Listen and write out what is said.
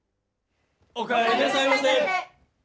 お帰りなさいませ！